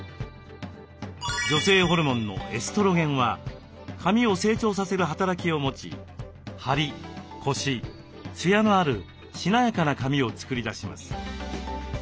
女性ホルモンのエストロゲンは髪を成長させる働きを持ちハリコシツヤのあるしなやかな髪を作り出します。